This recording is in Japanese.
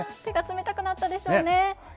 手が冷たくなったでしょうね。